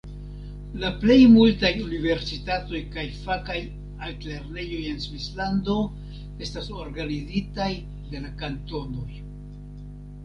La plej multaj universitatoj kaj fakaj altlernejoj en Svislando estas organizitaj de la kantonoj.